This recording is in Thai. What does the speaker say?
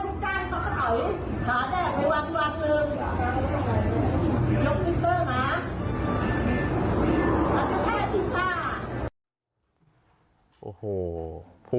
ขาแดดไปวางเลย